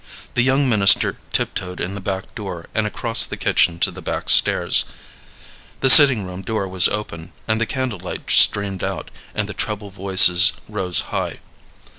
The young minister tiptoed in the back door and across the kitchen to the back stairs. The sitting room door was open, and the candle light streamed out, and the treble voices rose high.